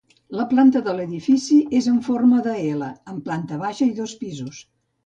La planta de l'edifici és en forma de ela, amb planta baixa i dos pisos.